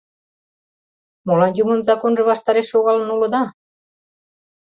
Молан юмын законжо ваштареш шогалын улыда?